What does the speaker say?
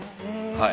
はい！